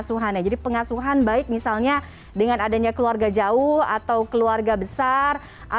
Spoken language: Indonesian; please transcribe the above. baik baik saya ke pak jasra